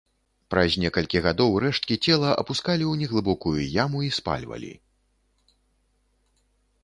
Праз некалькі гадоў рэшткі цела апускалі ў неглыбокую яму і спальвалі.